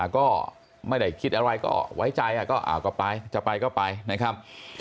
ก็ไม่ได้คิดอะไรก็ไว้ใจก็ไปจะไปก็ไปนะครับ